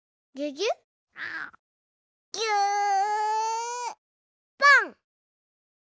ぎゅぱん！